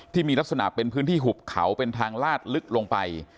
ที่มีลักษณะเป็นพื้นที่หุบเขาเป็นทางลาดลึกลงไป